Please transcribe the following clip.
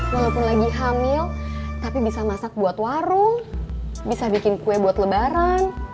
walaupun lagi hamil tapi bisa masak buat warung bisa bikin kue buat lebaran